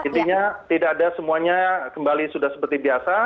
intinya tidak ada semuanya kembali sudah seperti biasa